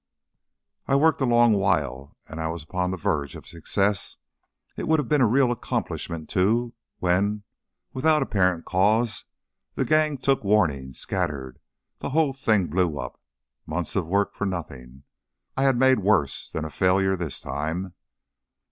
"I worked a long while and I was upon the verge of success it would have been a real accomplishment, too when, without apparent cause, the gang took warning, scattered, the whole thing blew up. Months of work for nothing! I had made worse than a failure this time."